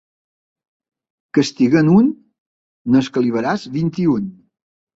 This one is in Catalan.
Castiga'n un, n'escalivaràs vint-i-un.